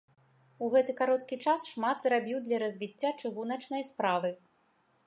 У гэты кароткі час шмат зрабіў для развіцця чыгуначнай справы.